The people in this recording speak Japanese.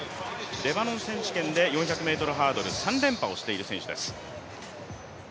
レバノン選手権で４００ｍハードル３連覇をしている選手です。